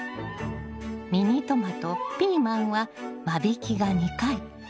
ミニトマトピーマンは間引きが２回。